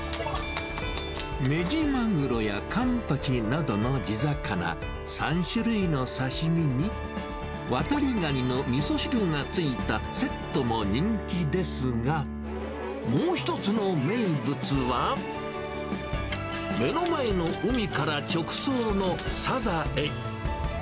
メジマグロやカンパチなどの地魚、３種類の刺身に、ワタリガニのみそ汁が付いたセットも人気ですが、もう一つの名物は、目の前の海から直送のサザエ。